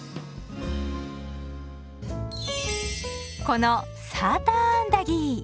このサーターアンダギー。